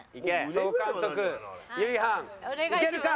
総監督ゆいはんいけるか？